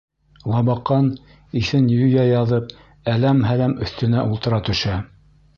Лабаҡан, иҫен юя яҙып, әләм-һәләм өҫтөнә ултыра төшә.